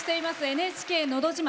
「ＮＨＫのど自慢」。